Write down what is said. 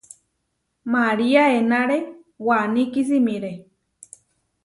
María enáre waní kisimiré.